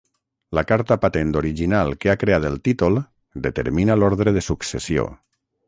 La carta patent original que ha creat el títol determina l'ordre de successió.